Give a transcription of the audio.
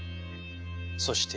そして。